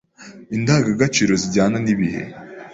Indangagaciro zijyana n’ibihe